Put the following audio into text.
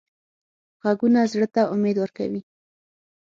غږونه زړه ته امید ورکوي